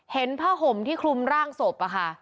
เห็นผ้าห่มที่คลุมร่างศพอะค่ะ